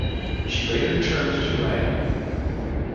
She later turned to writing.